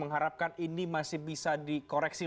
mengharapkan ini masih bisa dikoreksi